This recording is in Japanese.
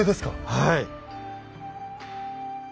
はい。